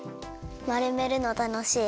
まるめるのたのしい。